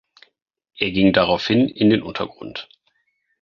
Er ging daraufhin in den Untergrund.